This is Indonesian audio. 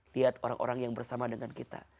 lihat orang orang yang bersama dengan kita